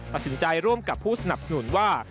ประสิทธิ์ใจร่วมกับผู้สนับหนุนว่า